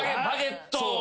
バゲット。